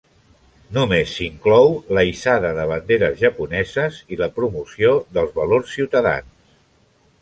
Només s'inclou la hissada de banderes japoneses i la promoció dels valors ciutadans.